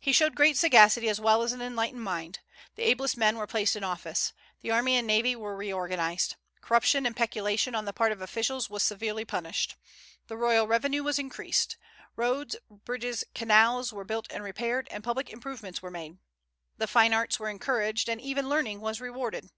He showed great sagacity as well as an enlightened mind. The ablest men were placed in office. The army and navy were reorganized. Corruption and peculation on the part of officials were severely punished. The royal revenue was increased. Roads, bridges, canals were built and repaired, and public improvements were made. The fine arts were encouraged, and even learning was rewarded.